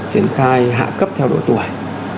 triển khai hạ cấp theo độ tuổi